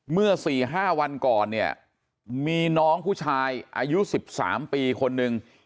เมื่อ๔๕วันก่อนเนี่ยมีน้องผู้ชายอายุ๑๓ปีคนนึง